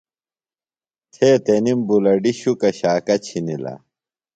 تھے تںِم بُلَڈیۡ شُکہ شاکہ چِھنِلہ۔